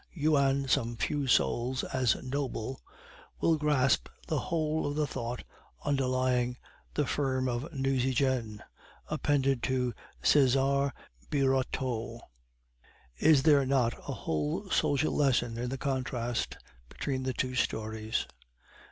You, and some few souls as noble, will grasp the whole of the thought underlying The Firm of Nucingen, appended to Cesar Birotteau. Is there not a whole social lesson in the contrast between the two stories?